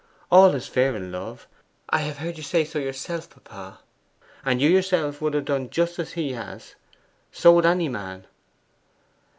All is fair in love. I have heard you say so yourself, papa; and you yourself would have done just as he has so would any man.